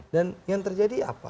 dan yang terjadi apa